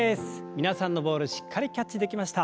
皆さんのボールしっかりキャッチできました。